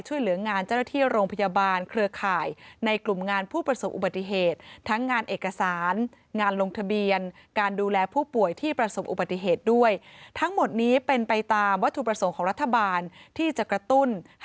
ช่วยเหลืองานเจ้าหน้าที่โรงพยาบาลเคลือข่ายในกลุ่มงานผู้ประสบอุบัติเหตุ